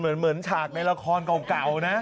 มันเหมือนฉากใบละครเก่านะ